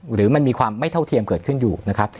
หรือมันมีความไม่เท่าเทียมเกิดขึ้นอยู่นะครับ